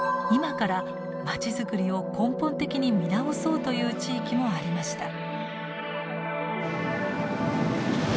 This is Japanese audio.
まちづくりを根本的に見直そうという地域もありました。